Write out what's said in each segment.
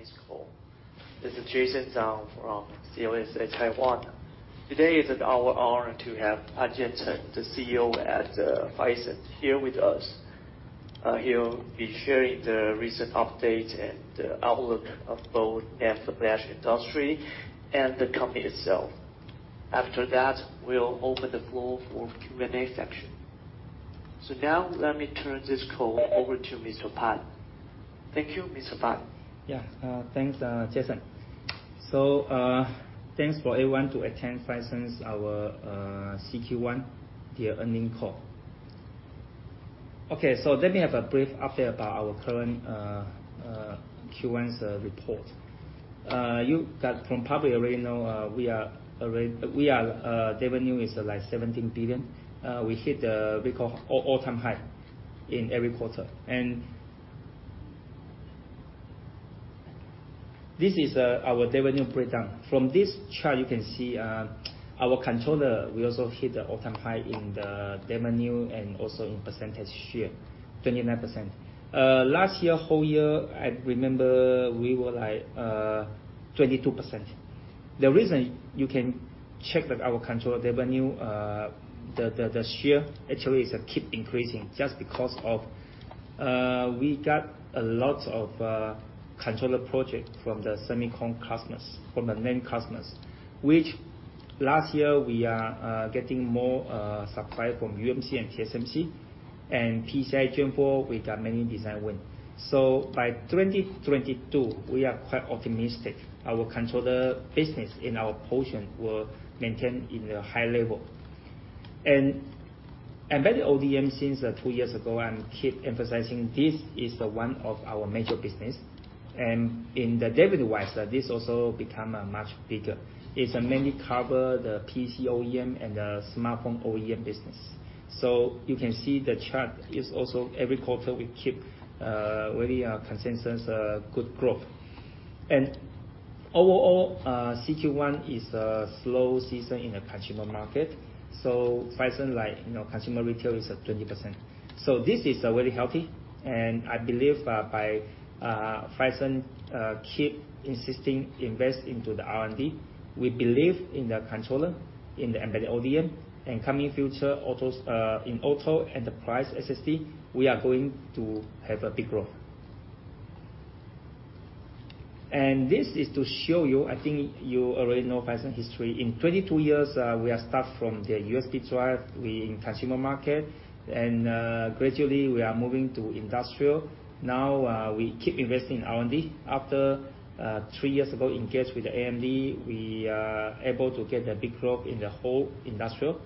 First quarter earnings call. This is Jason Tsang from CLSA Taiwan. Today, it's our honor to have Pua Khein-Seng, the CEO at Phison here with us. He'll be sharing the recent update and the outlook of both the flash industry and the company itself. After that, we'll open the floor for Q&A section. Now let me turn this call over to Mr. Pan. Thank you, Mr. Pan. Yeah. Thanks, Jason. Thanks for everyone to attend Phison's our CQ1 Earnings Call. Okay, let me have a brief update about our current Q1's report. You probably already know, revenue is like 17 billion. We hit the record all-time high in every quarter. This is our revenue breakdown. From this chart, you can see, our controller, we also hit the all-time high in the revenue and also in percentage share, 29%. Last year, whole year, I remember we were like 22%. The reason you can check that our controller revenue, the share actually is keep increasing just because of we got a lot of controller project from the semicon customers, from the main customers, which last year we are getting more supply from UMC and TSMC and PCIe Gen4, we got many design win. By 2022, we are quite optimistic our controller business and our portion will maintain in a high level. Embedded ODM since two years ago and keep emphasizing this is one of our major business. In the revenue-wise, this also become much bigger. It's mainly cover the PC OEM and the smartphone OEM business. You can see the chart is also every quarter we keep very consistent good growth. Overall, CQ1 is a slow season in the consumer market. Phison like, you know, consumer retail is at 20%. This is very healthy, and I believe by Phison keep insisting invest into the R&D, we believe in the controller, in the embedded ODM, and coming future autos, in auto, enterprise SSD, we are going to have a big growth. This is to show you, I think you already know Phison history. In 22 years, we are start from the USB drive, we in consumer market, and gradually, we are moving to industrial. Now, we keep investing in R&D. After three years ago, engage with the AMD, we are able to get a big growth in the whole industrial.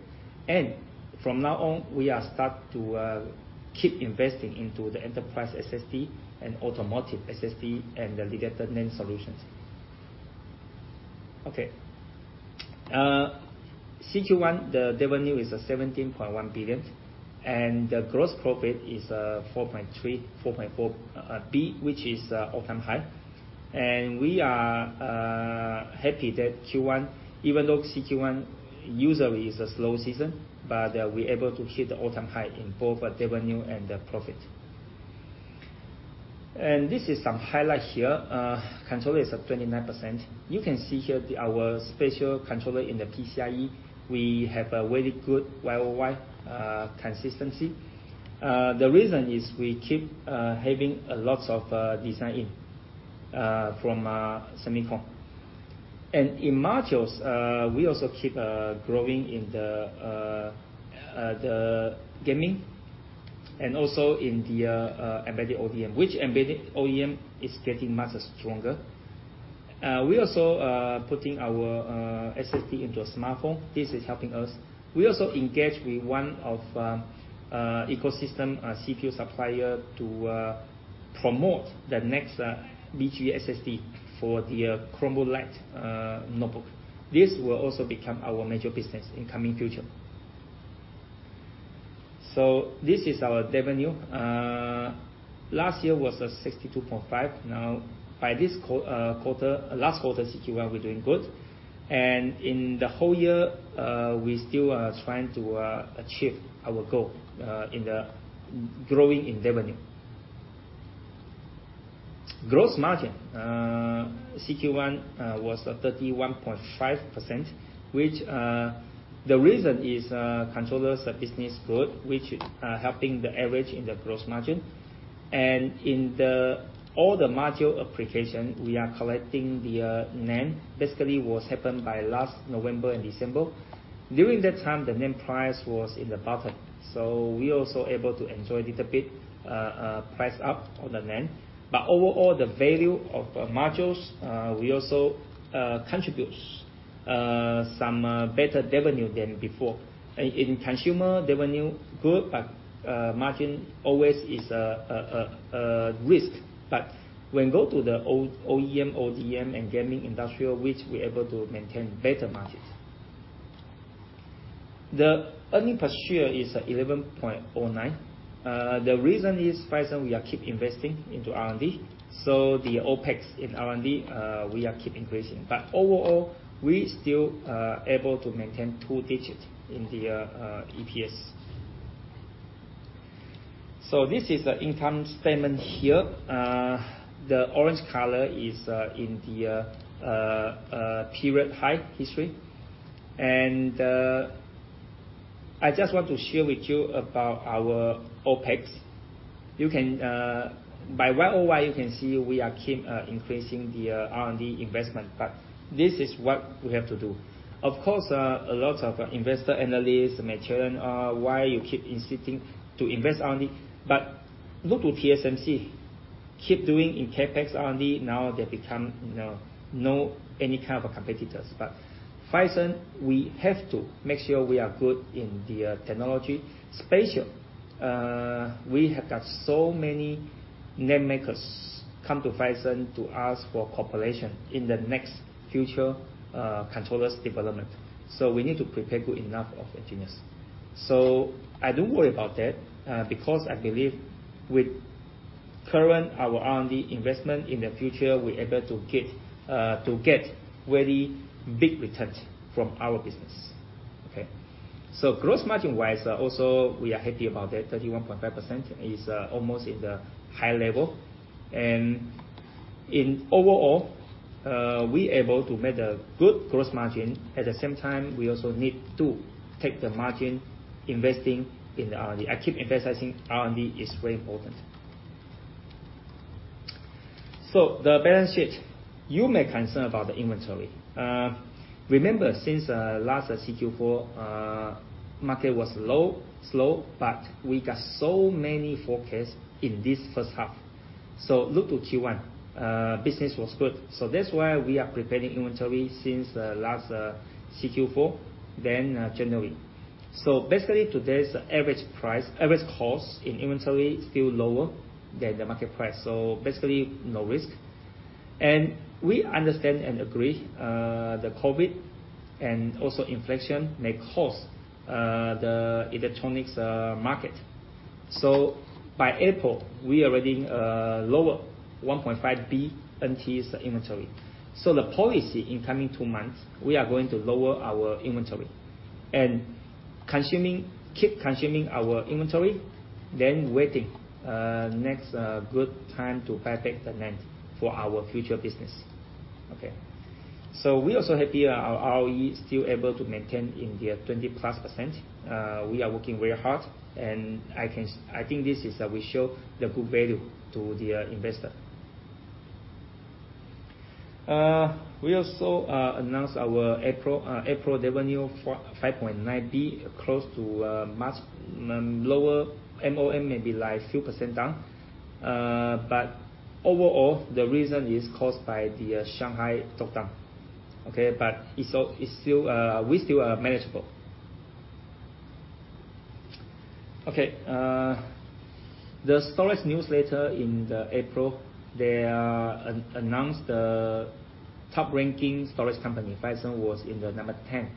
From now on, we are start to keep investing into the enterprise SSD and automotive SSD and the related NAND solutions. Okay. CQ1, the revenue is 17.1 billion, and the gross profit is 4.4 billion, which is all-time high. We are happy that Q1, even though CQ1 usually is a slow season, but we're able to hit the all-time high in both revenue and the profit. This is some highlight here. Controller is at 29%. You can see here our special controller in the PCIe, we have a very good YoY consistency. The reason is we keep having lots of design in from semicon. In modules, we also keep growing in the gaming and also in the embedded ODM, which embedded OEM is getting much stronger. We also putting our SSD into a smartphone. This is helping us. We also engage with one of ecosystem CPU supplier to promote the next BG SSD for the Chromebook Lite notebook. This will also become our major business in coming future. This is our revenue. Last year was 62.5%. Now, by this quarter, last quarter, CQ1, we're doing good. In the whole year, we still are trying to achieve our goal in the growing in revenue. Gross margin, CQ1, was 31.5%, which, the reason is, controllers business growth, which helping the average in the gross margin. In all the module application, we are locking in the NAND. Basically, what happened in last November and December. During that time, the NAND price was at the bottom, so we're also able to enjoy a little bit price upside on the NAND. Overall, the value of modules, we also contributes some better revenue than before. In consumer revenue growth, margin always is a risk, but when go to the OEM, ODM, and gaming industrial, which we're able to maintain better margins. The earnings per share is 11.09. The reason is Phison, we keep investing into R&D, so the OpEx in R&D, we keep increasing. Overall, we still able to maintain two digit in the EPS. This is the income statement here. The orange color is in the period high history. I just want to share with you about our OpEx. You can. By YoY, you can see we keep increasing the R&D investment, but this is what we have to do. Of course, a lot of investor analysts mention, "Oh, why you keep insisting to invest R&D?" Look to TSMC, keep doing in CapEx R&D, now they become, you know, no any kind of competitors. Phison, we have to make sure we are good in the technology space. We have got so many NAND makers come to Phison to ask for cooperation in the near future, controller development. We need to prepare enough good engineers. I don't worry about that, because I believe with our current R&D investment, in the future, we're able to get to get very big returns from our business. Okay. Gross margin-wise, also we are happy about that. 31.5% is almost at the high level. Overall, we're able to make a good gross margin. At the same time, we also need to take the margin for investing in the R&D. I keep emphasizing R&D is very important. The balance sheet. You may be concerned about the inventory. Remember since last CQ4, market was low and slow, but we got so many forecasts in this first half. Look to Q1, business was good. That's why we are preparing inventory since last CQ4, then January. Basically, today's average cost in inventory is still lower than the market price, so basically no risk. We understand and agree the COVID and also inflation may cause the electronics market. By April, we already lower 1.5 billion inventory. The policy in coming two months, we are going to lower our inventory and keep consuming our inventory, then waiting next good time to perfect the land for our future business. Okay. We're also happy our ROE is still able to maintain in the 20%+. We are working very hard, and I think this is, we show the good value to the investor. We also announced our April revenue for 5.9 billion, close to much lower MOM, maybe like few% down. Overall, the reason is caused by the Shanghai lockdown. It's still manageable. The storage newsletter in April, they announced the top-ranking storage company. Phison was in the number ten.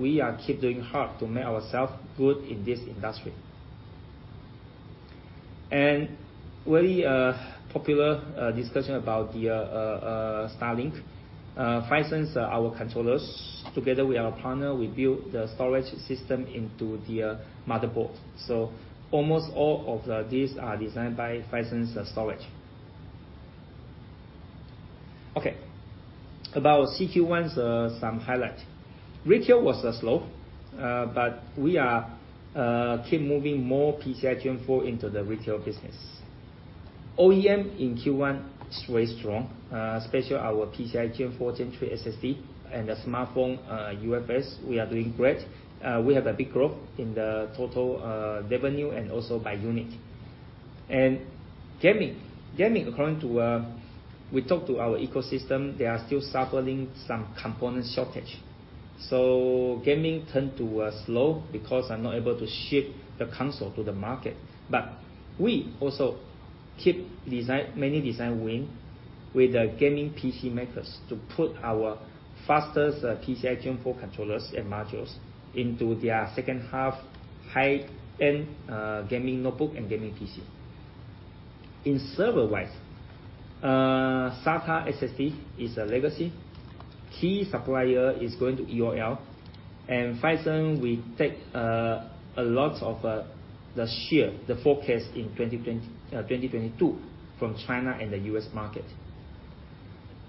We keep doing hard to make ourselves good in this industry. Very popular discussion about Starlink. Phison's our controllers, together with our partner, we built the storage system into the motherboard. Almost all of these are designed by Phison's storage. About CQ1's some highlight. Retail was slow, but we keep moving more PCIe Gen4 into the retail business. OEM in Q1 is very strong, especially our PCIe Gen4, Gen3 SSD and the smartphone UFS, we are doing great. We have a big growth in the total revenue and also by unit. Gaming. Gaming, according to we talked to our ecosystem, they are still suffering some component shortage. Gaming turned to slow because they are not able to ship the console to the market. We also keep many design win with the gaming PC makers to put our fastest PCIe Gen4 controllers and modules into their second half high-end gaming notebook and gaming PC. In server-wise, SATA SSD is a legacy. Key supplier is going to EOL. Phison, we take a lot of the share, the forecast in 2020, 2022 from China and the U.S. market.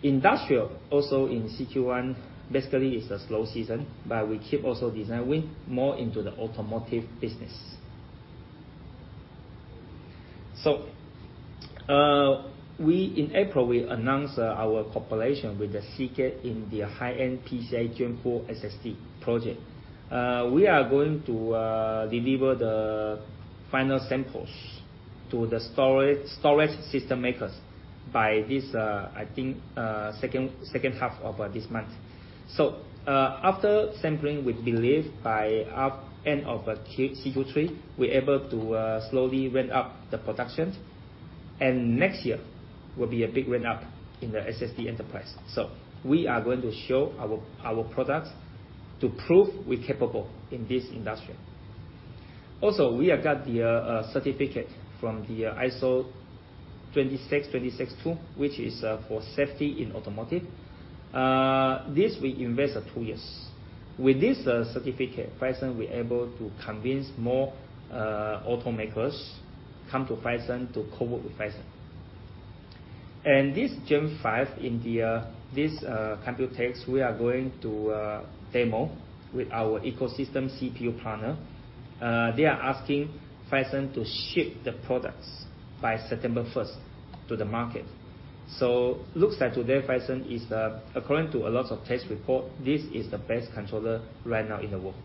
Industrial, also in CQ1, basically it's a slow season, but we keep also designing more into the automotive business. In April, we announced our cooperation with Seagate in the high-end PCIe Gen4 SSD project. We are going to deliver the final samples to the storage system makers by this, I think, second half of this month. After sampling, we believe by half end of CQ3, we're able to slowly ramp up the production. Next year will be a big ramp-up in the SSD enterprise. We are going to show our products to prove we're capable in this industry. Also, we have got the certificate from the ISO 26262, which is for safety in automotive. This we invest two years. With this certificate, Phison, we're able to convince more automakers come to Phison to co-work with Phison. This Gen5 India, this COMPUTEX, we are going to demo with our ecosystem CPU partner. They are asking Phison to ship the products by September first to the market. Looks like today Phison is according to a lot of test report, this is the best controller right now in the world.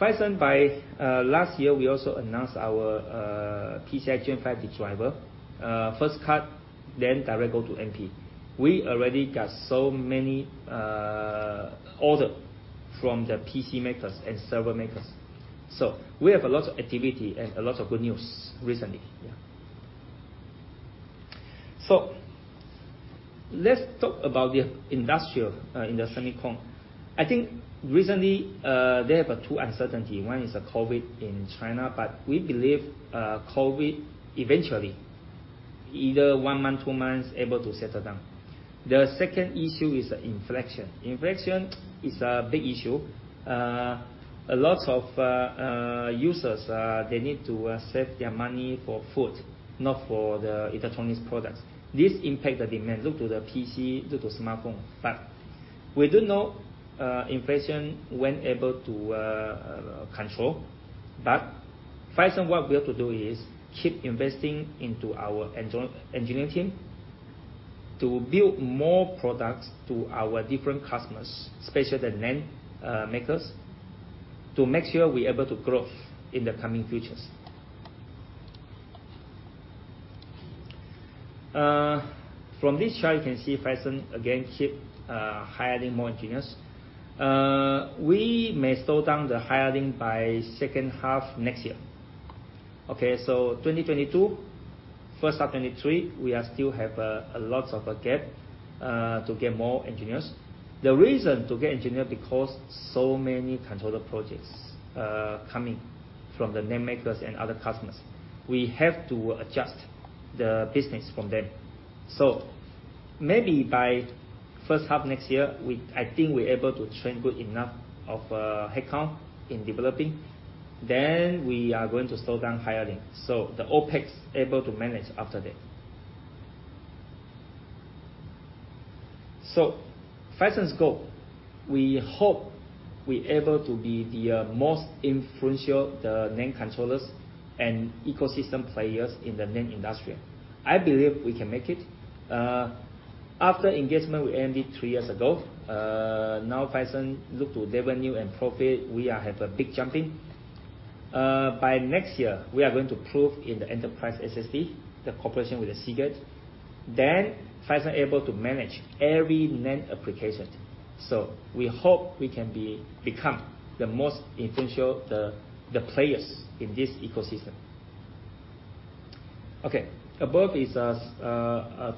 Phison, by last year, we also announced our PCIe Gen5 redriver, first cut, then direct go to MP. We already got so many order from the PC makers and server makers. We have a lot of activity and a lot of good news recently. Yeah. Let's talk about the industry in the semiconductor. I think recently, they have two uncertainty. One is the COVID in China, but we believe, COVID eventually, either one month, two months, able to settle down. The second issue is inflation. Inflation is a big issue. A lot of users, they need to save their money for food, not for the electronics products. This impact the demand. Look to the PC, look to smartphone. We do know, inflation when able to control. Phison, what we have to do is keep investing into our engineering team to build more products to our different customers, especially the NAND makers, to make sure we're able to grow in the coming futures. From this chart, you can see Phison again keep hiring more engineers. We may slow down the hiring by second half next year. Okay, 2022, first half 2023, we still have a lot of gap to get more engineers. The reason to get engineer because so many controller projects coming from the NAND makers and other customers. We have to adjust the business from them. Maybe by first half next year, we, I think we're able to train good enough of headcount in developing, then we are going to slow down hiring. The OpEx able to manage after that. Phison's goal, we hope we're able to be the most influential the NAND controllers and ecosystem players in the NAND industry. I believe we can make it. After engagement with AMD three years ago, now Phison look to revenue and profit. We are have a big jumping. By next year, we are going to prove in the enterprise SSD, the cooperation with the Seagate. Phison able to manage every NAND application. We hope we can become the most influential the players in this ecosystem. Okay, above is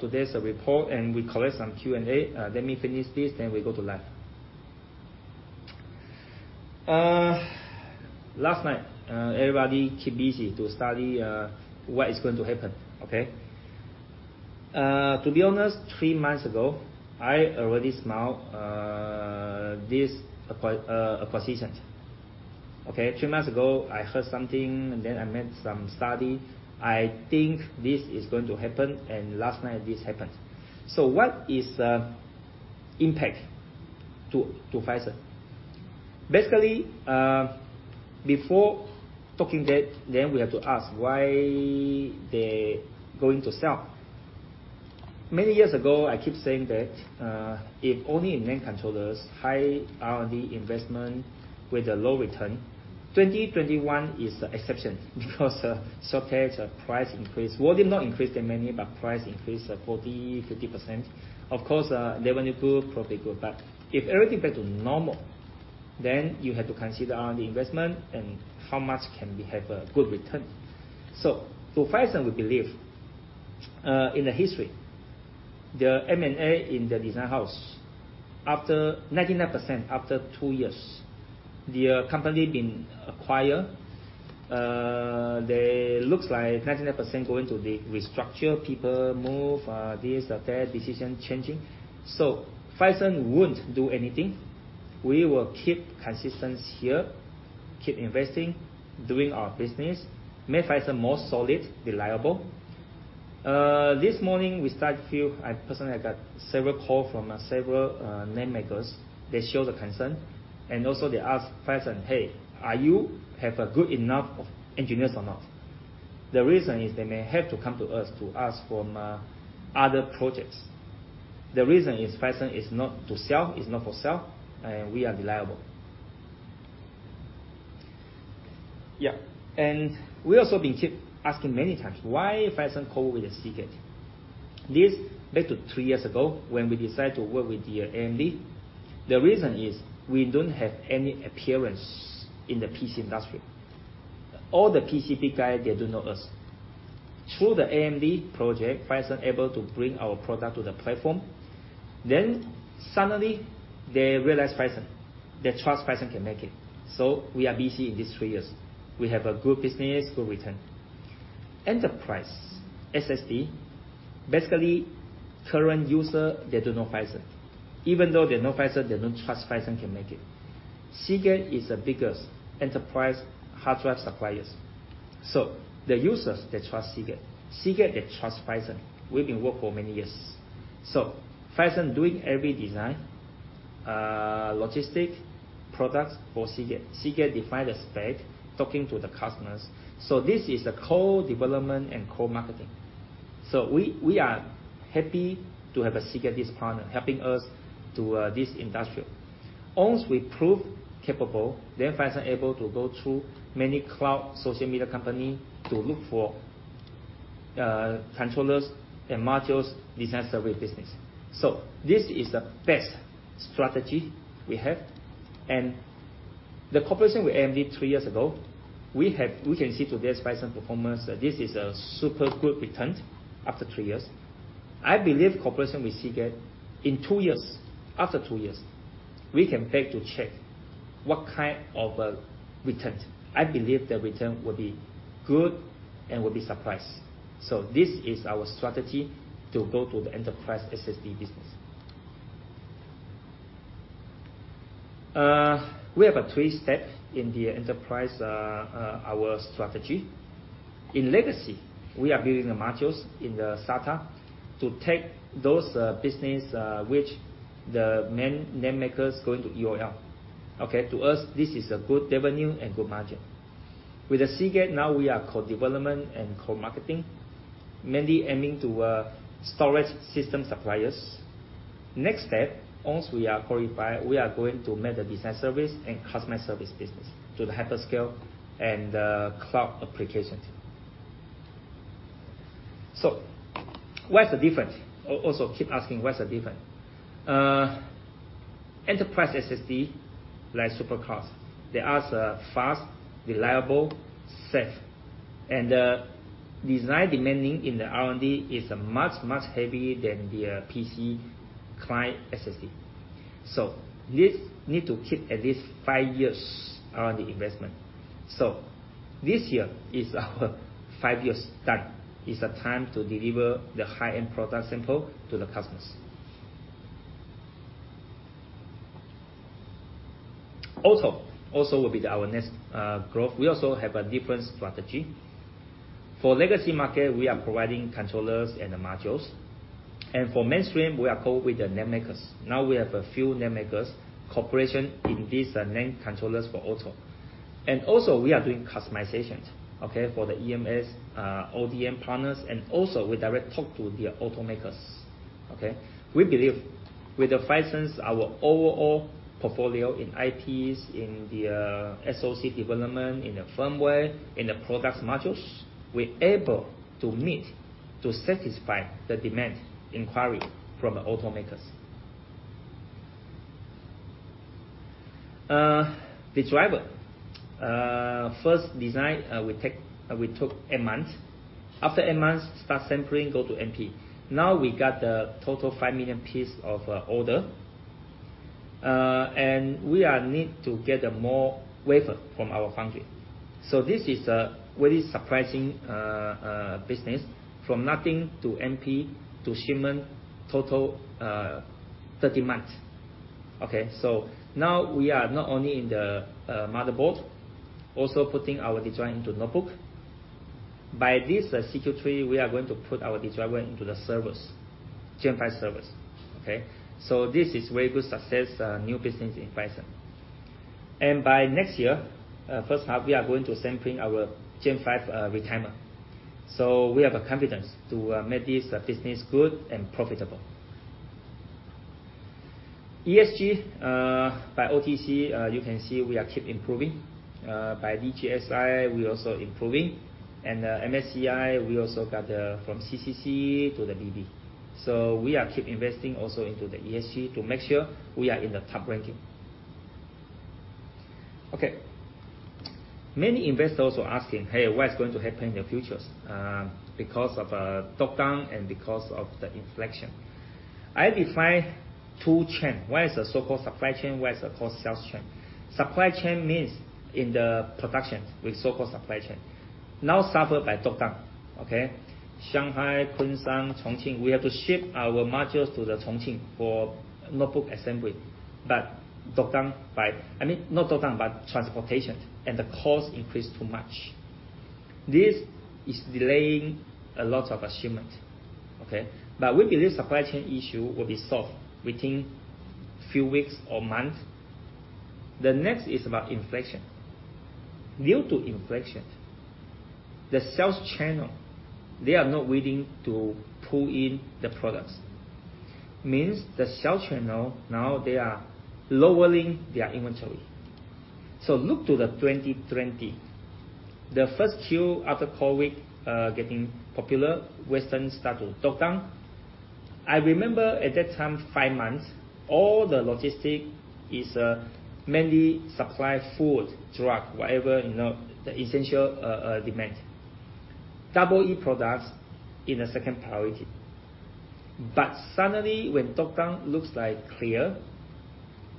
today's report, and we collect some Q&A. Let me finish this, then we go to live. Last night, everybody keep busy to study what is going to happen. To be honest, three months ago, I already smell this acquisition. Three months ago, I heard something, and then I made some study. I think this is going to happen, and last night this happened. What is impact to Phison? Basically, before talking that, then we have to ask why they going to sell. Many years ago, I keep saying that, if only in NAND controllers, high R&D investment with a low return, 2021 is the exception because shortage, price increase. Volume not increase that many, but price increase 40%-50%. Of course, revenue good, profit good. If everything back to normal, then you have to consider R&D investment and how much can we have a good return. To Phison, we believe, in the history, the M&A in the design house, after 99%, after two years, their company been acquired. They looks like 99% going to the restructure, people move, this or that, decision changing. Phison won't do anything. We will keep consistent here, keep investing, doing our business. Make Phison more solid, reliable. I personally got several calls from several NAND makers. They show the concern, and also they ask Phison, "Hey, are you have a good enough of engineers or not?" The reason is they may have to come to us to ask for other projects. The reason is Phison is not to sell, is not for sale, and we are reliable. They have also been asking many times why Phison work with the Seagate. This goes back to three years ago, when we decided to work with the AMD. The reason is we don't have any appearance in the PC industry. All the PC guy, they do know us. Through the AMD project, Phison able to bring our product to the platform. Suddenly they realize Phison. They trust Phison can make it. We are busy in these three years. We have a good business, good return. Enterprise SSD, basically, current user, they don't know Phison. Even though they know Phison, they don't trust Phison can make it. Seagate is the biggest enterprise hard drive suppliers. The users, they trust Seagate. Seagate, they trust Phison. We've been work for many years. Phison doing every design, logistics, products for Seagate. Seagate define the spec, talking to the customers. This is a co-development and co-marketing. We are happy to have Seagate as partner, helping us to this industry. Once we prove capable, then Phison able to go to many cloud social media company to look for, controllers and modules design survey business. This is the best strategy we have. The cooperation with AMD three years ago, we can see today's Phison performance, this is a super good return after three years. I believe cooperation with Seagate. In two years, after two years, we can wait to check what kind of a return. I believe the return will be good and will be a surprise. This is our strategy to go to the enterprise SSD business. We have a three-step in the enterprise, our strategy. In legacy, we are building the modules in the SATA to take those business which the mainstream makers going to EOL. Okay. To us, this is a good revenue and good margin. With Seagate now we are co-development and co-marketing, mainly aiming to storage system suppliers. Next step, once we are qualified, we are going to make the design service and customer service business to the hyperscale and cloud applications. What's the difference? Also keep asking what's the difference. Enterprise SSD, like supercars, they are fast, reliable, safe. The design demanding in the R&D is much heavier than the PC client SSD. This need to keep at least five years R&D investment. This year is our five years done. It's a time to deliver the high-end product sample to the customers. Also will be our next growth. We also have a different strategy. For legacy market, we are providing controllers and the modules. For mainstream, we are co with the NAND makers. Now we have a few NAND makers cooperation in this NAND controllers for auto. We are doing customizations, okay? For the EMS, ODM partners, and also we direct talk to the automakers. Okay? We believe with Phison's overall portfolio in IPs, in the SoC development, in the firmware, in the products modules, we're able to meet to satisfy the demand inquiry from the automakers. The driver. First design, we took eight months. After eight months, start sampling, go to MP. Now we got the total 5 million piece of order. We are need to get a more wafer from our foundry. This is a very surprising business from nothing to MP to shipment, total, 13 months. Okay. Now we are not only in the motherboard, also putting our design into notebook. By this Q3, we are going to put our design went into the servers, Gen5 servers. Okay. This is very good success, new business in Phison. By next year, first half, we are going to sampling our Gen5 retimer. We have a confidence to make this business good and profitable. ESG by OTC, you can see we are keep improving. By DJSI, we're also improving. MSCI, we also got the from CCC to the BB. We are keep investing also into the ESG to make sure we are in the top ranking. Okay. Many investors were asking, "Hey, what is going to happen in the futures because of Dock-Dang and because of the inflation?" I define two chain. One is the so-called Supply Chain, one is the called sales chain. Supply Chain means in the production with so-called Supply Chain, now suffer by dock dang. Okay. Shanghai, Kunshan, Chongqing, we have to ship our modules to the Chongqing for notebook assembly. I mean, not lockdown, but transportation and the cost increased too much. This is delaying a lot of shipment. Okay? We believe Supply Chain issue will be solved within few weeks or months. The next is about inflation. Due to inflation, the sales channel, they are not willing to pull in the products. Means the sales channel now they are lowering their inventory. Look to 2020. The 1st Q after COVID, getting popular, Western start to lockdown. I remember at that time, five months, all the logistic is mainly supply food, drug, whatever, you know, the essential demand. E/E products in the second priority. Suddenly when lockdown looks like clear,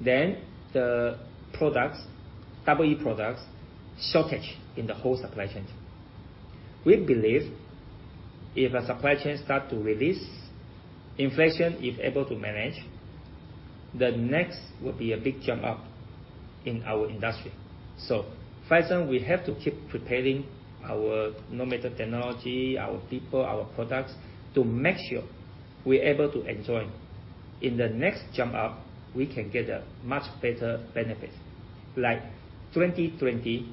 then the products, E/E products shortage in the whole Supply Chain. We believe if a Supply Chain start to release, inflation is able to manage, the next will be a big jump up in our industry. Phison, we have to keep preparing our no matter technology, our people, our products, to make sure we're able to enjoy. In the next jump up, we can get a much better benefit. Like 2020,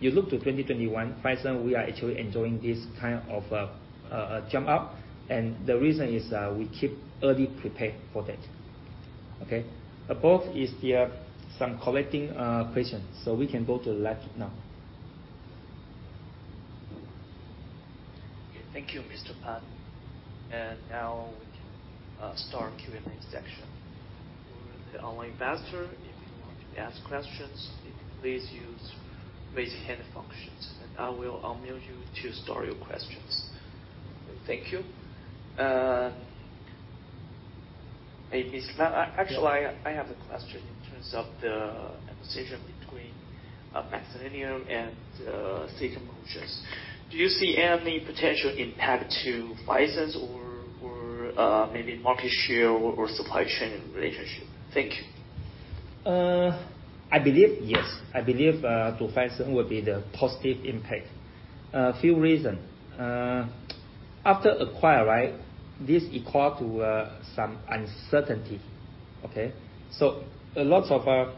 you look to 2021, Phison, we are actually enjoying this kind of jump up, and the reason is, we keep early prepared for that. Okay. Above are the collected questions, we can go to the left now. Thank you, Mr. Pan. Now we can start Q&A section. The online participants, if you want to ask questions, please use the raise hand function, and I will unmute you to start your questions. Thank you. Actually, I have a question in terms of the acquisition between MaxLinear and Silicon Motion. Do you see any potential impact to Phison or maybe market share or Supply Chain relationship? Thank you. I believe yes. I believe to Phison will be the positive impact. A few reasons. After acquisition, right, this equals some uncertainty. Okay? So a lot of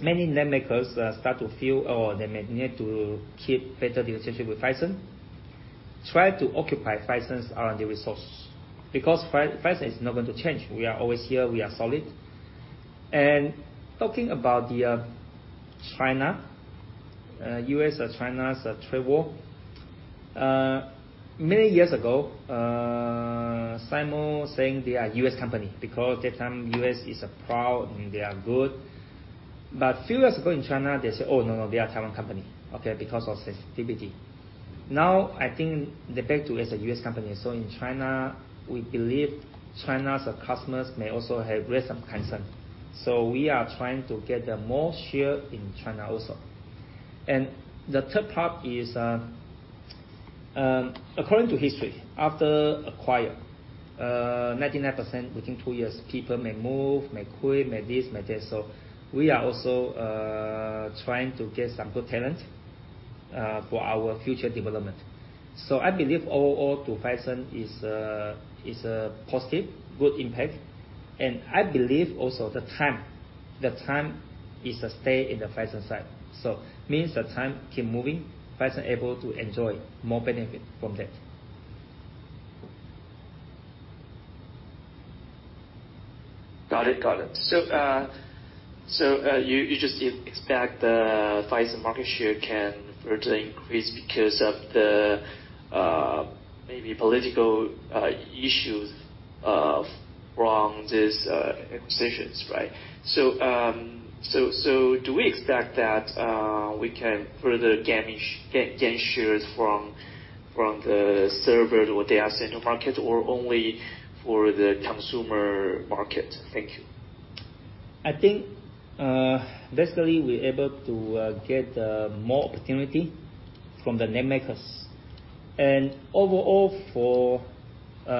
many name makers start to feel, oh, they may need to keep better relationship with Phison. Try to occupy Phison's R&D resource because Phison is not going to change. We are always here, we are solid. Talking about the China-US trade war, many years ago, SIMO saying they are US company because that time US is a power and they are good. But few years ago in China, they say, "Oh, no, we are Taiwan company," okay, because of sensitivity. Now, I think they're back to as a US company. In China, we believe China's customers may also have raised some concern, so we are trying to get them more share in China also. The 3rd part is, according to history, after acquisition, 99% within two years, people may move, may quit, may this, may that. We are also trying to get some good talent for our future development. I believe overall to Phison is a positive, good impact, and I believe also the time is a stay in the Phison side. Means the time keep moving, Phison able to enjoy more benefit from that. Got it. You just expect the Phison market share can further increase because of the maybe political issues from these acquisitions, right? Do we expect that we can further gain shares from the server or data center market or only for the consumer market? Thank you. I think basically we're able to get more opportunity from the OEMs. Overall for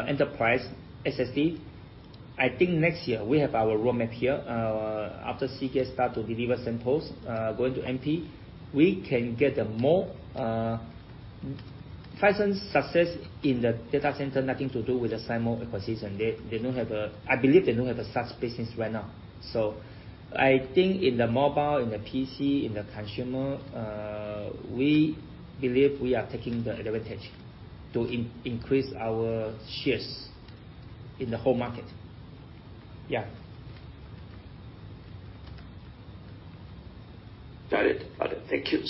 enterprise SSD, I think next year we have our roadmap here. After CQ3 start to deliver samples, going to MP, we can get a more Phison success in the data center nothing to do with the SIMO acquisition. I believe they don't have such a business right now. I think in the mobile, in the PC, in the consumer, we believe we are taking the advantage to increase our shares in the whole market. Yeah. Got it. Thank you.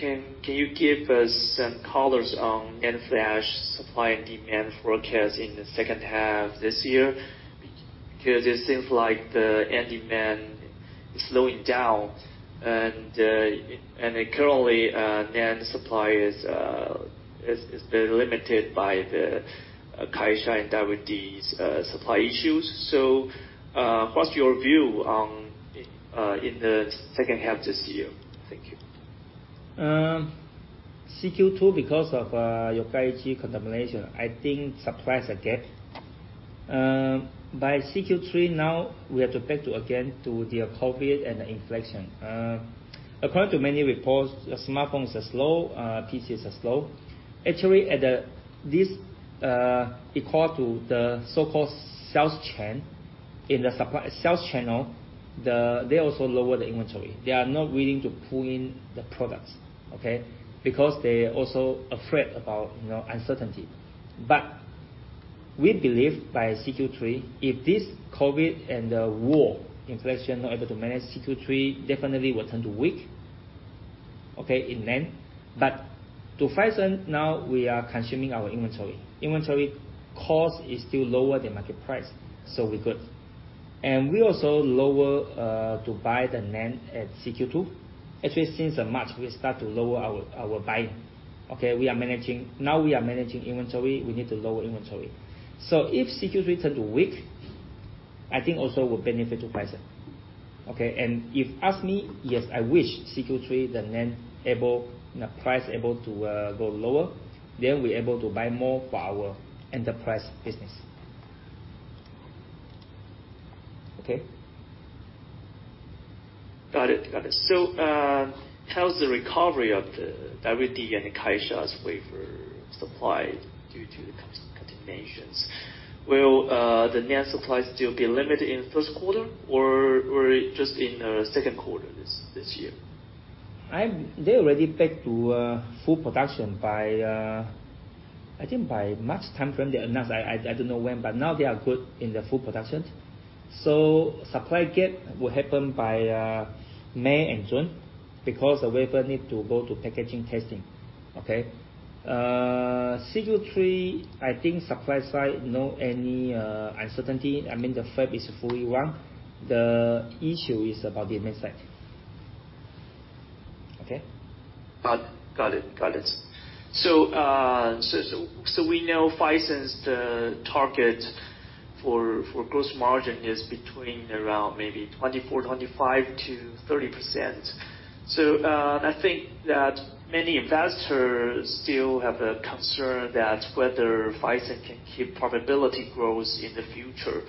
Can you give us some colors on NAND flash supply and demand forecast in the second half this year? Because it seems like the end demand is slowing down and currently NAND supply is limited by the KIOXIA and WD's supply issues. What's your view on in the second half this year? Thank you. CQ2, because of your KIOXIA contamination, I think supply gap. By CQ3, now we have to back to again to the COVID and the inflation. According to many reports, smartphone sales are slow, PC sales are slow. Actually, this equal to the so-called Supply Chain in the supply sales channel, they also lower the inventory. They are not willing to pull in the products, okay? Because they also afraid about, you know, uncertainty. We believe by CQ3, if this COVID and the war inflation not able to manage CQ3, definitely will turn to weak, okay, in NAND. But to Phison, now we are consuming our inventory. Inventory cost is still lower than market price, so we're good. We also lower to buy the NAND at CQ2. Actually since March, we start to lower our buying, okay. We are managing inventory, we need to lower inventory. If CQ3 turn weak, I think also will benefit to Phison, okay? If ask me, yes, I wish CQ3 the NAND able, you know, price able to go lower, then we're able to buy more for our enterprise business. Okay. Got it. How's the recovery of the WD and KIOXIA's wafer supply due to the contamination? Will the NAND supply still be limited in the first quarter or just in the second quarter this year? They already back to full production by I think by March timeframe. They announce I don't know when, but now they are good in the full production. Supply gap will happen by May and June because the wafer need to go to packaging testing, okay? CQ3, I think supply side, no any uncertainty. I mean, the fab is fully run. The issue is about the demand side. Okay? Got it. We know Phison's target for gross margin is between around maybe 24%, 25% to 30%. I think that many investors still have a concern that whether Phison can keep profitability growth in the future,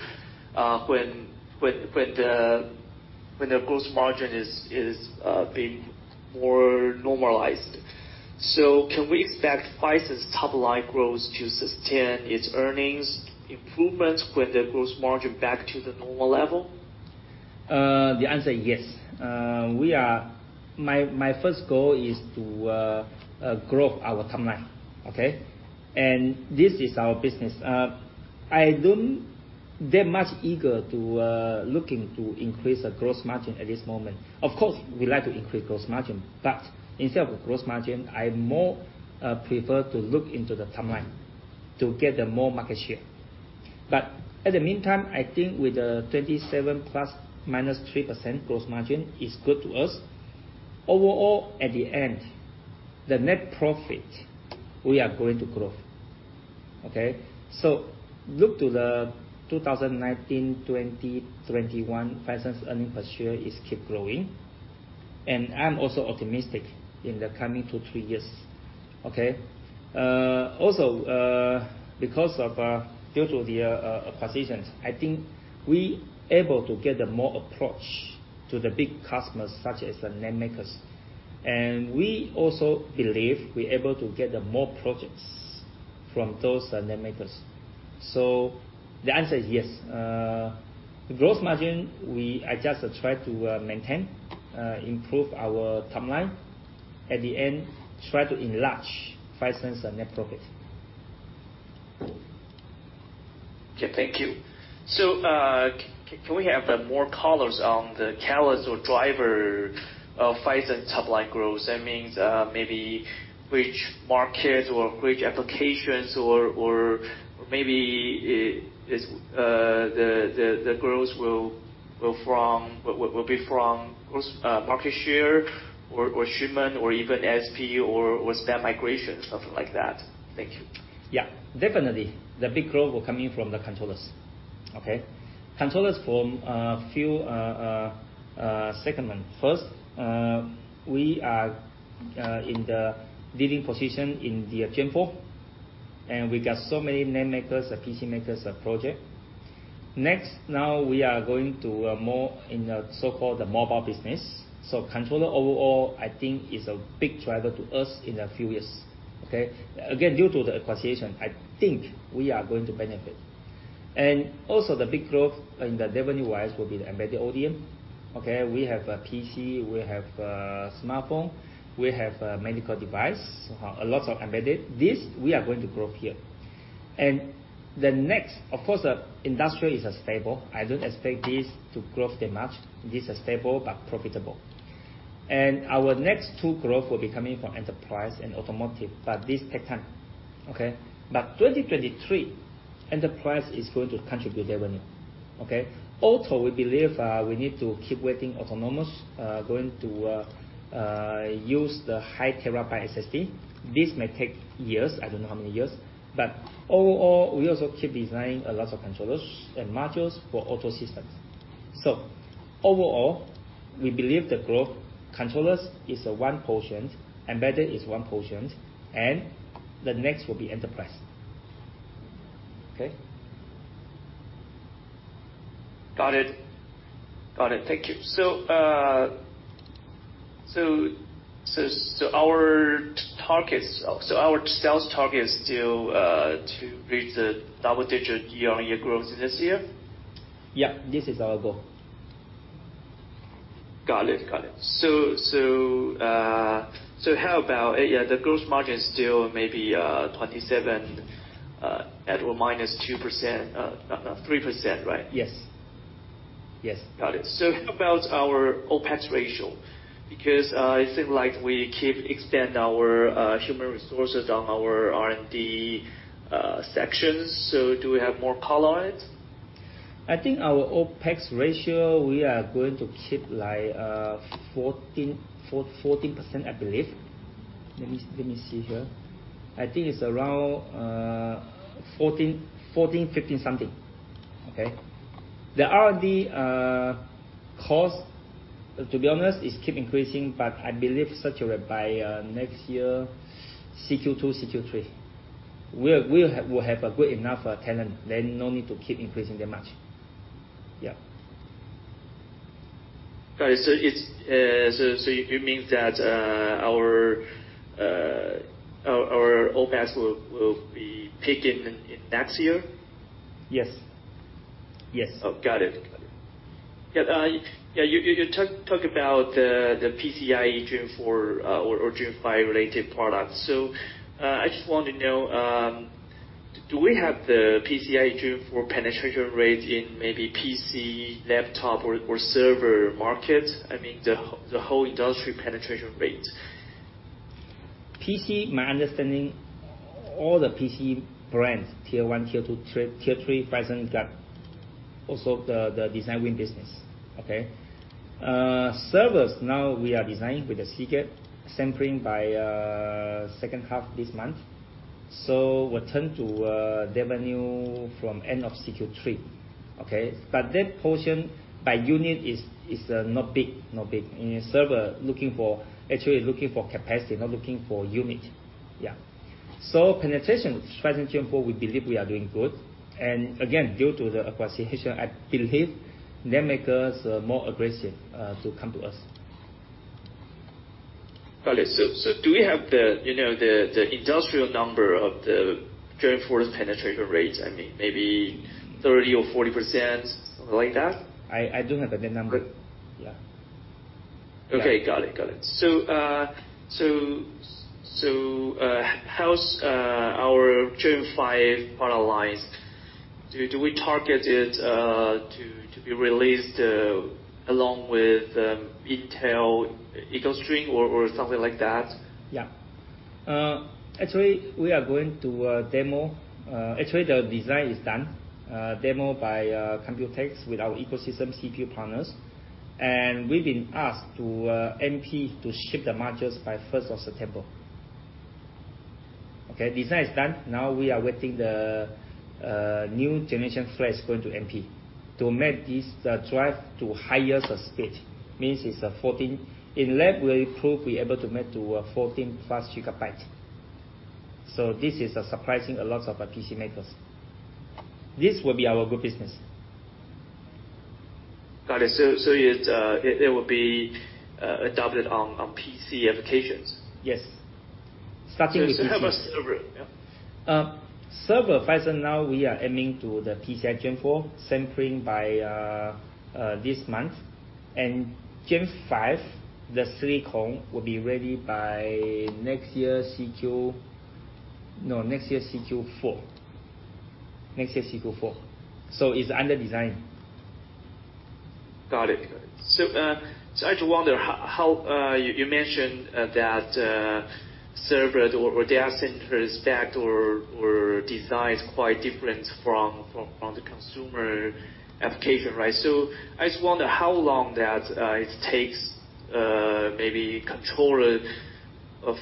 when the gross margin is being more normalized. Can we expect Phison's top line growth to sustain its earnings improvements when the gross margin back to the normal level? The answer, yes. My first goal is to grow our top line, okay? This is our business. I'm not that much eager to look into increasing the gross margin at this moment. Of course, we like to increase gross margin. Instead of gross margin, I more prefer to look into the top line to get more market share. In the meantime, I think with the 27 ± 3% gross margin is good for us. Overall, at the end, the net profit, we are going to grow. Okay? Look to the 2019, 2020, 2021, Phison's earnings per share keeps growing. I'm also optimistic in the coming two, three years, okay? Also, because of the acquisitions, I think we able to get a more approach to the big customers such as the NAND makers. We also believe we're able to get the more projects from those NAND makers. The answer is yes. The gross margin, we are just try to maintain, improve our top line. At the end, try to enlarge Phison's net profit. Okay, thank you. Can we have more colors on the catalyst or driver of Phison's top line growth? That means, maybe which market or which applications, or maybe it's the growth will be from market share or shipment or even ASP or step migration, something like that. Thank you. Yeah. Definitely, the big growth will coming from the controllers. Okay? Controllers from few segments. First, we are in the leading position in the Gen4, and we got so many OEMs, PC makers' projects. Next, now we are going to more in the so-called mobile business. So controller overall, I think is a big driver to us in a few years, okay? Again, due to the acquisition, I think we are going to benefit. Also the big growth revenue-wise will be the embedded ODM, okay. We have PC, we have smartphone, we have medical device, lots of embedded. This, we are going to grow here. The next, of course, industrial is stable. I don't expect this to grow that much. This is stable but profitable. Our next two growth will be coming from enterprise and automotive, but this take time, okay? 2023, enterprise is going to contribute revenue, okay? Auto, we believe, we need to keep waiting autonomous going to use the high terabyte SSD. This may take years. I don't know how many years. Overall, we also keep designing a lot of controllers and modules for auto systems. Overall, we believe the growth, controllers is one portion, embedded is one portion, and the next will be enterprise. Okay? Got it. Thank you. Our sales target is still to reach double-digit year-on-year growth this year? Yeah, this is our goal. Got it. How about, yeah, the gross margin is still maybe 27% ± 2%, 3%, right? Yes. Yes. Got it. How about our OpEx ratio? Because it seems like we keep expand our human resources on our R&D sections. Do we have more color on it? I think our OpEx ratio we are going to keep like 14%, I believe. Let me see here. I think it's around 14%-15% something. Okay. The R&D cost, to be honest, it's keep increasing, but I believe saturate by next year, CQ2, CQ3. We'll have a good enough talent, then no need to keep increasing that much. Yeah. Got it. It's so it means that our OpEx will be peaking in next year? Yes. Yes. Oh, got it. Yeah, yeah, you talk about the PCIe Gen4 or Gen5 related products. I just want to know, do we have the PCIe Gen4 penetration rate in maybe PC, laptop or server market? I mean, the whole industry penetration rate. PC, my understanding, all the PC brands, tier one, tier two, tier three, Phison got also the design win business. Okay? Servers, now we are designing with the Seagate, sampling by second half this month. We'll turn to revenue from end of CQ three. Okay? That portion by unit is not big. In a server, actually looking for capacity, not looking for unit. Yeah. Penetration, Phison Gen four, we believe we are doing good. Again, due to the acquisition, I believe they make us more aggressive to come to us. Got it. Do we have the, you know, industrial number of the Gen 4's penetration rates? I mean, maybe 30 or 40%, something like that? I don't have the exact number. But- Yeah. Got it. How's our Gen5 product lines? Do we target it to be released along with Intel EcoString or something like that? Yeah. Actually, the design is done. Demo by Computex with our ecosystem CPU partners. We've been asked to MP to ship the modules by first of September. Okay. Design is done. Now we are waiting the new generation flash going to MP to make this, the drive to higher the speed. Means it's a 14. In lab, we prove we able to make to 14+ GB. This is surprising a lot of PC makers. This will be our good business. Got it. It will be adopted on PC applications? Yes. It's kind of a server, yeah? Server, Phison now we are aiming to the PCIe Gen4, sampling by this month. Gen five, the silicon will be ready by next year CQ4. It's under design. Got it. I just wonder how you mentioned that server or data centers spec or design is quite different from the consumer application, right? I just wonder how long it takes maybe controller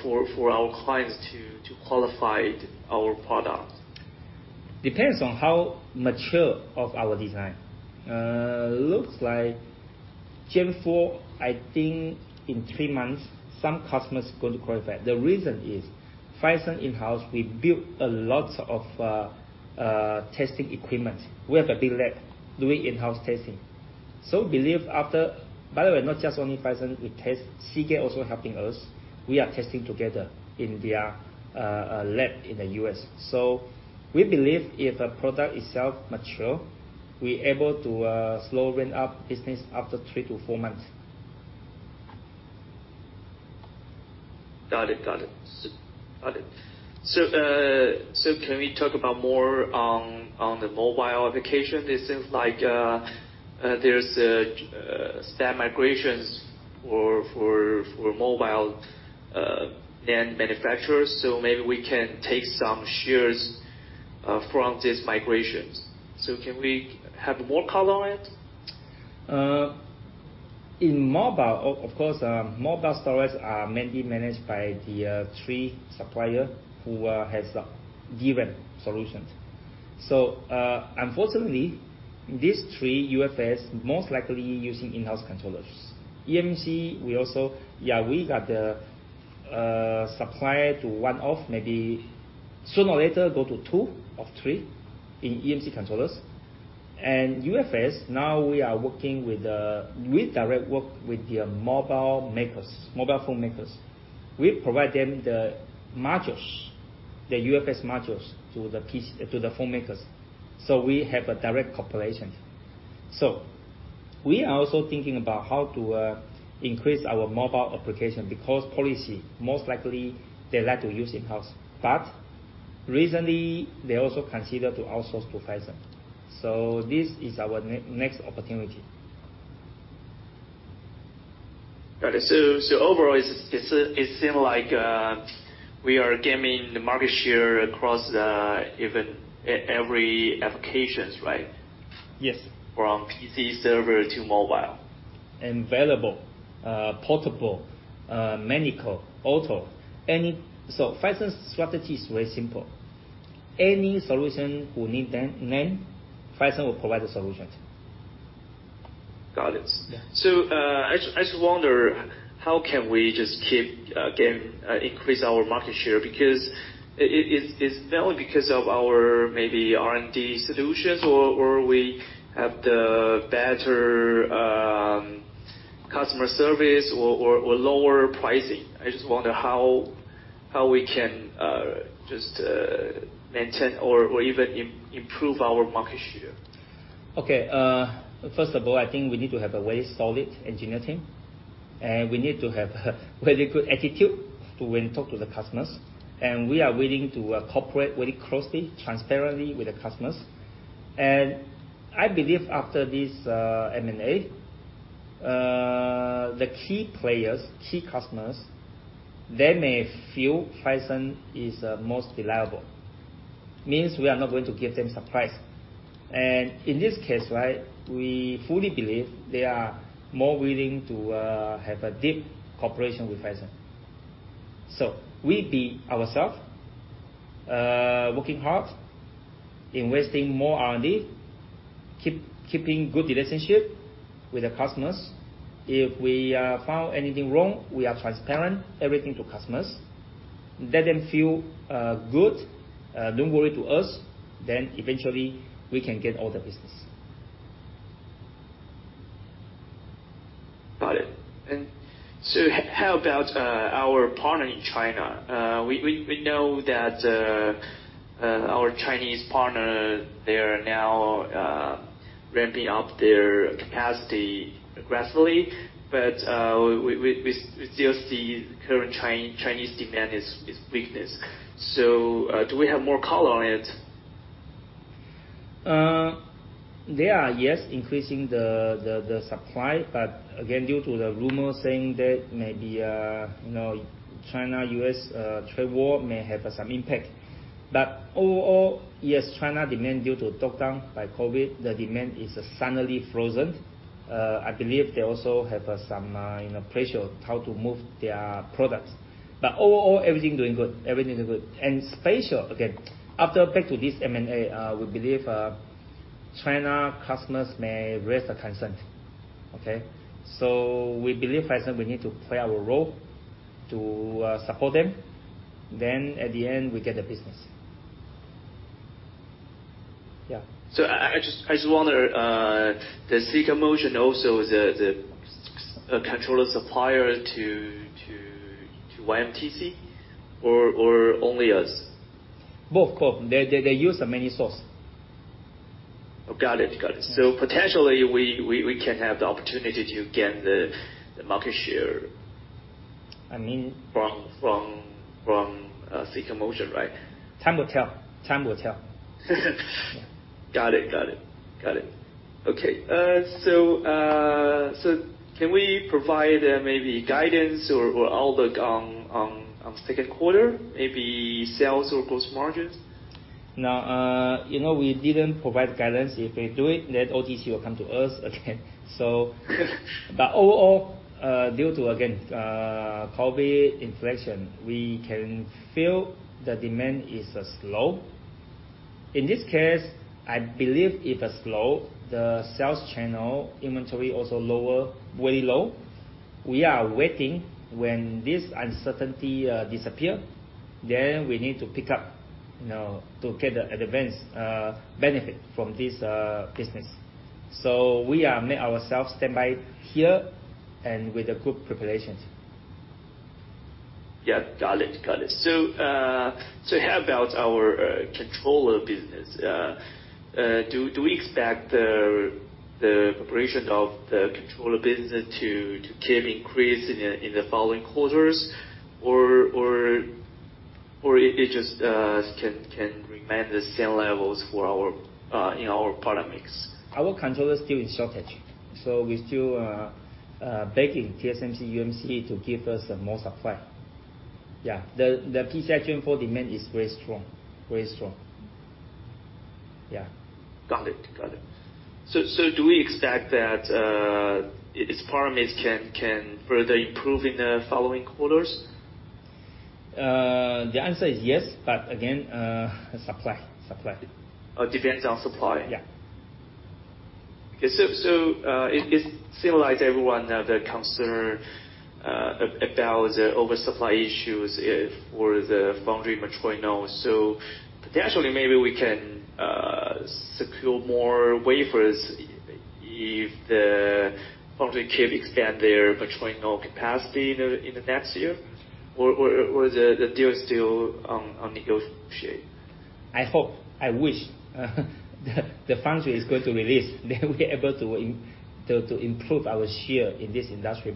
for our clients to qualify our product. Depends on how mature of our design. Looks like Gen4, I think in three months, some customers going to qualify. The reason is, Phison in-house, we built a lot of testing equipment. We have a big lab doing in-house testing. By the way, not just only Phison, we test, Seagate also helping us. We are testing together in their lab in the U.S. We believe if a product is sufficiently mature, we able to slow ramp up business after three to four months. Got it. Can we talk about more on the mobile application? It seems like there's a standard migrations for mobile NAND manufacturers, so maybe we can take some shares from these migrations. Can we have more color on it? In mobile, of course, mobile storage are mainly managed by the three suppliers who have the given solutions. Unfortunately, these three UFS most likely using in-house controllers. eMMC, we also, we are the supplier to one of maybe sooner or later go to two of three in eMMC controllers. UFS, now we are working with the. We directly work with the mobile makers, mobile phone makers. We provide them the modules, the UFS modules to the phone makers. We have a direct cooperation. We are also thinking about how to increase our mobile application because policy, most likely they like to use in-house. But recently, they also consider to outsource to Phison. This is our next opportunity. Got it. Overall, it seems like we are gaining the market share across even every applications, right? Yes. From PC server to mobile. Various, portable, medical, auto, any. Phison's strategy is very simple. Any solution that needs NAND, Phison will provide the solutions. Got it. Yeah. I just wonder, how can we just keep, gain, increase our market share? Because is that only because of our maybe R&D solutions, or we have the better, customer service or lower pricing? I just wonder how we can, just, maintain or even improve our market share. Okay. First of all, I think we need to have a very solid engineering team, and we need to have very good attitude to when talk to the customers, and we are willing to cooperate very closely, transparently with the customers. I believe after this, M&A, the key players, key customers, they may feel Phison is, most reliable. Means we are not going to give them surprise. In this case, right, we fully believe they are more willing to, have a deep cooperation with Phison. We be ourself, working hard, investing more R&D, keeping good relationship with the customers. If we, found anything wrong, we are transparent, everything to customers. Let them feel, good, don't worry to us, then eventually we can get all the business. Got it. How about our partner in China? We know that our Chinese partner, they are now ramping up their capacity aggressively. But we still see current Chinese demand is weakness. Do we have more color on it? They are, yes, increasing the supply. Again, due to the rumor saying that maybe, you know, China-U.S. trade war may have some impact. Overall, yes, China demand due to lockdown by COVID, the demand is suddenly frozen. I believe they also have some, you know, pressure how to move their products. Overall, everything doing good. Especially, again, after back to this M&A, we believe, China customers may raise their concern. Okay? We believe Phison, we need to play our role to support them. At the end, we get the business. Yeah. I just wonder, does Silicon Motion also a controller supplier to YMTC or only us? Both. They use many sources. Oh, got it. Potentially, we can have the opportunity to gain the market share. I mean. From Silicon Motion, right? Time will tell. Got it. Okay. Can we provide maybe guidance or outlook on second quarter, maybe sales or gross margins? No. You know, we didn't provide guidance. If we do it, then OTC will come to us again, so. Overall, due to again, COVID inflation, we can feel the demand is slow. In this case, I believe if it's slow, the sales channel inventory also lower, very low. We are waiting when this uncertainty disappear, then we need to pick up, you know, to get the advance benefit from this business. We are make ourselves standby here and with a good preparations. Yeah, got it. How about our controller business? Do we expect the preparation of the controller business to keep increase in the following quarters? Or it just can remain the same levels in our product mix? Our controller still in shortage, so we still begging TSMC, UMC to give us some more supply. Yeah. The PCIe Gen4 demand is very strong. Very strong. Yeah. Got it. Do we expect that its parameters can further improve in the following quarters? The answer is yes, but again, supply. Depends on supply. Yeah. It seems like everyone has the concern about the oversupply issues for the foundry mature nodes. Potentially, maybe we can secure more wafers if the foundry can expand their mature node capacity in the next year, or the deal is still under negotiation? I hope I wish the foundry is going to release, then we're able to improve our share in this industry.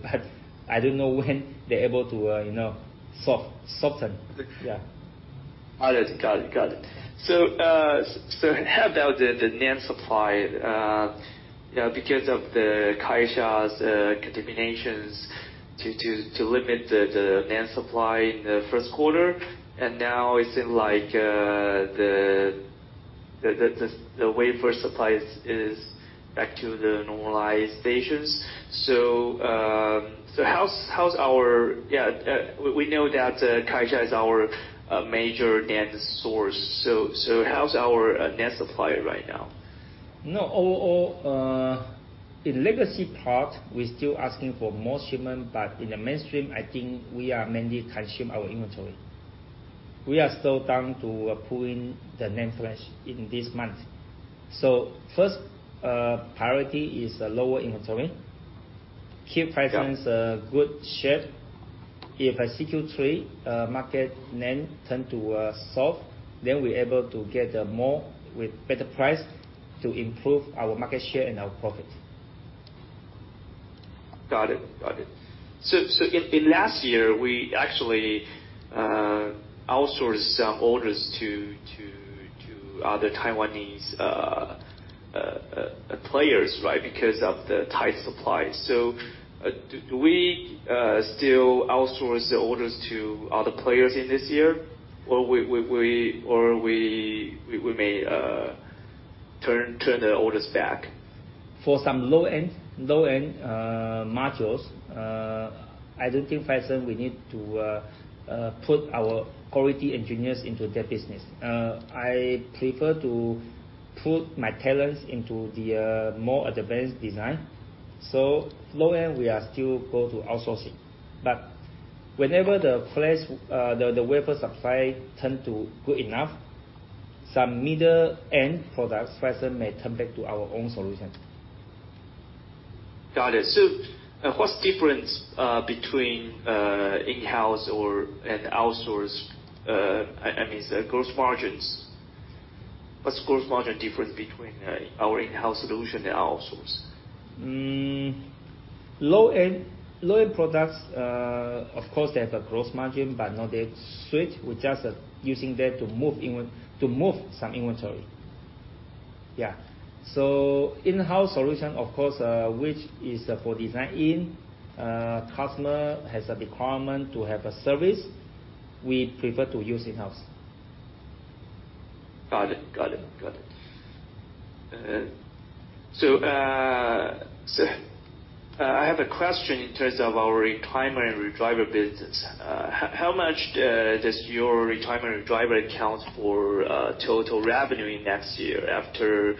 I don't know when they're able to, you know, solve shortage. Yeah. Understood. Got it. How about the NAND supply? You know, because of KIOXIA's contamination to limit the NAND supply in the first quarter, and now it seems like the wafer supply is back to the normalized stages. We know that KIOXIA is our major NAND source. How's our NAND supply right now? No, overall, in legacy part, we're still asking for more shipment, but in the mainstream, I think we are mainly consume our inventory. We are still down to pulling the NAND flash in this month. First priority is lower inventory. Keep Phison Yeah. Good shape. If at Q3, NAND market turns soft, then we're able to get more with better price to improve our market share and our profit. Got it. In last year, we actually outsourced some orders to other Taiwanese players, right? Because of the tight supply. Do we still outsource the orders to other players in this year? We may turn the orders back. For some low-end modules, I don't think Phison will need to put our quality engineers into that business. I prefer to put my talents into the more advanced design. Low-end, we are still going to outsourcing. Whenever the place, the wafer supply turn to good enough, some middle-end products, Phison may turn back to our own solution. Got it. What's difference between in-house and outsource? I mean, the gross margins. What's gross margin difference between our in-house solution and outsource? Low-end products, of course, they have a gross margin, but not that sweet. We're just using that to move some inventory. In-house solution, of course, which is for design in, customer has a requirement to have a service, we prefer to use in-house. Got it. I have a question in terms of our retimer and redriver business. How much does your retimer and redriver account for total revenue in next year after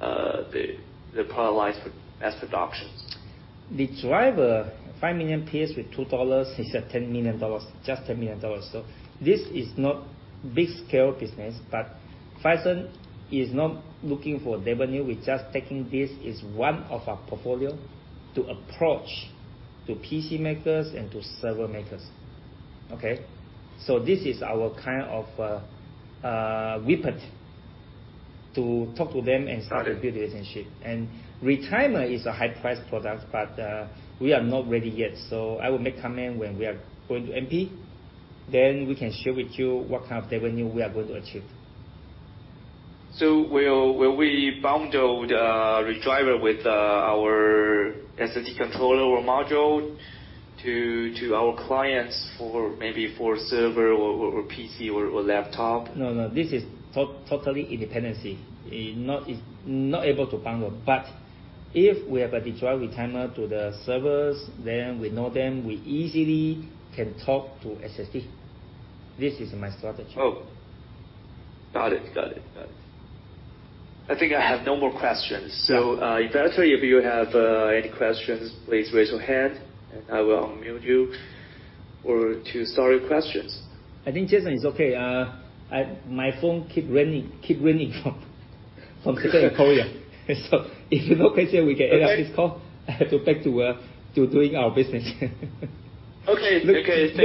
the product line for mass productions? The driver, 5 million pieces with $2 is at $10 million, just $10 million. This is not big scale business, but Phison is not looking for revenue. We're just taking this as one of our portfolio to approach to PC makers and to server makers. Okay? This is our kind of weapon to talk to them and start. Got it. to build a relationship. Retimer is a high price product, but we are not ready yet. I will make comment when we are going to MP, then we can share with you what kind of revenue we are going to achieve. Will we bundle the redriver with our SSD controller or module to our clients for maybe server or PC or laptop? No, no. This is totally independent. It's not able to bundle. If we have a redriver retimer to the servers, then we know them, we easily can talk to SSD. This is my strategy. Oh. Got it. I think I have no more questions. If any of you have any questions, please raise your hand and I will unmute you or to start your questions. I think Jason Tsang it's okay. My phone keep ringing from Taiwan. From Korea. If you have no questions, we can wrap up this call. Okay. I have to back to doing our business. Okay.